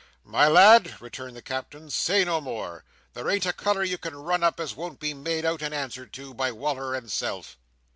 "My lad," returned the Captain, "say no more. There ain't a colour you can run up, as won't be made out, and answered to, by Wal"r and self."